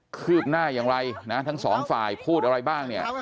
ืบหน้าอย่างไรนะทั้งสองฝ่ายพูดอะไรบ้างเนี่ย